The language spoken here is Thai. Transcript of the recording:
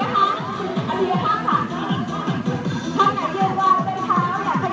ถ้าฐานไม่คิดว่าถาดขัดดำกาลได้นะครับ